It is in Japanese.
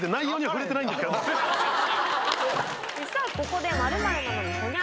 さぁここで。